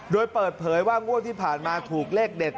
โดยเปิดเผยว่างวดที่ผ่านมาถูกเลขเด็ด